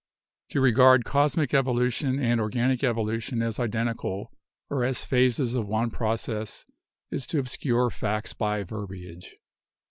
"To regard cosmic evolution and organic evolution as identical or as phases of one process is to obscure facts by verbiage.